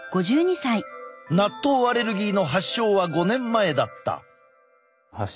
納豆アレルギーの発症は５年前だった。